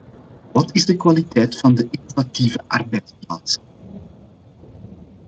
Wat is de kwaliteit van innovatieve arbeidsplaatsen?